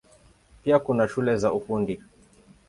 Pia kuna shule za Ufundi.